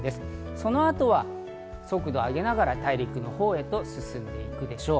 その後は速度を上げながら、大陸のほうへと進んでいくでしょう。